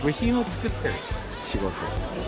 仕事